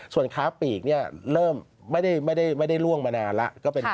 ส่วนค้าปีกไม่ได้ล่วงมานานแล้ว